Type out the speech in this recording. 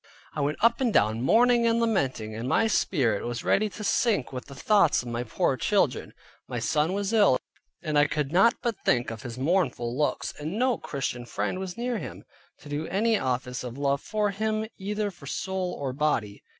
I went up and down mourning and lamenting; and my spirit was ready to sink with the thoughts of my poor children. My son was ill, and I could not but think of his mournful looks, and no Christian friend was near him, to do any office of love for him, either for soul or body.